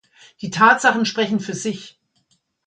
Die Tatsachen sprechen für sich.